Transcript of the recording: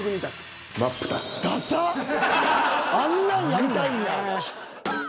あんなんやりたいんや。